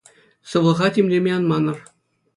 Сывлӑха тимлеме ан манӑр.